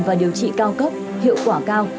và điều trị cao cấp hiệu quả cao